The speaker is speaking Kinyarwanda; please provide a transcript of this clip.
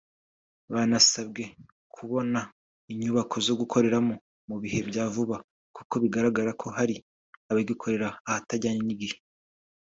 Banasabwe kubona inyubako zo gukoreramo mu bihe bya vuba kuko bigaragara ko hari abagikorera ahatajyanye n’igihe